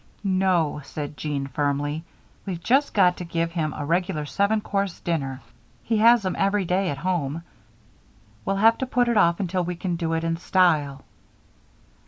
"No," said Jean, firmly. "We've just got to give him a regular seven course dinner he has 'em every day at home. We'll have to put it off until we can do it in style."